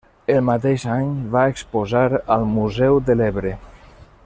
El mateix any va exposar al Museu de l'Ebre.